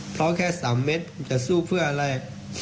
เพราะแค่๓เม็ดผมจะสู้เพื่ออะไร